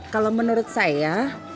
kalo menurut saya